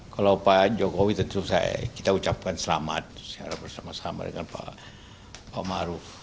kalau pak joko widodo kita ucapkan selamat bersama sama dengan pak maruf